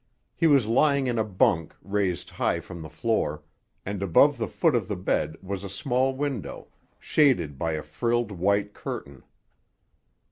He was lying in a bunk, raised high from the floor, and above the foot of the bed was a small window, shaded by a frilled white curtain.